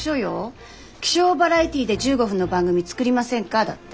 「気象バラエティーで１５分の番組作りませんか」だって。